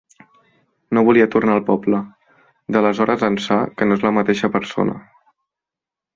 No volia tornar al poble. D'aleshores ençà que no és la mateixa persona.